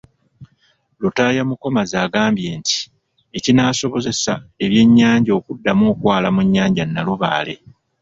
Lutaaya Mukomazi agambye nti ekinaasobozesa eby'ennyanja okuddamu okwala mu nnyanja Nnalubaale.